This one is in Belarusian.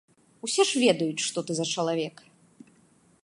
Усе ж ведаюць, што ты за чалавек.